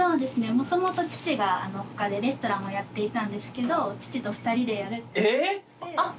もともと父が他でレストランをやっていたんですけど父と２人でやるってなって。